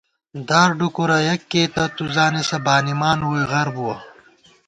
دار ڈُکُورہ یَک کېئېتہ، تُو زانېسہ بانِمان ووئی غر بُوَہ